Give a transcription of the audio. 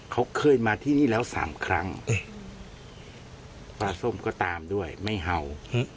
เขาเคยมาที่นี่แล้วสามครั้งปลาส้มก็ตามด้วยไม่เห่า